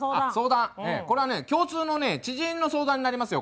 これはね共通のね知人の相談になりますよ